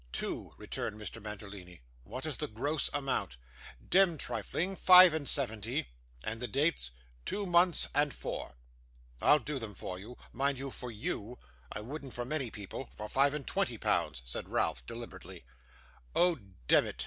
'Two,' returned Mr. Mantalini. 'What is the gross amount?' 'Demd trifling five and seventy.' 'And the dates?' 'Two months, and four.' 'I'll do them for you mind, for YOU; I wouldn't for many people for five and twenty pounds,' said Ralph, deliberately. 'Oh demmit!